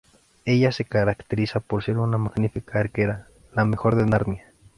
Ella se caracteriza por ser una magnífica arquera, la mejor de Narnia.